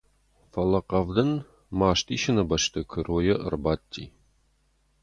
Фӕлӕ Хъӕвдын маст исыны бӕсты куыройы ӕрбадти.